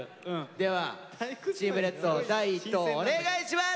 ではチームレッド第１投お願いします。